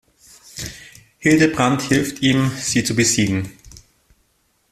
Hildebrand hilft ihm, sie zu besiegen.